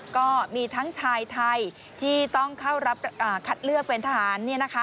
ก็มีทั้งชายไทยที่ต้องเข้ารับคัดเลือกเป็นทหาร